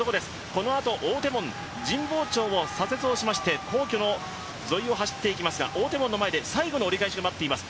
このあと大手門、神保町を左折しまして、皇居沿いを走って行きますが、大手門の前で最後の折り返しが待っています。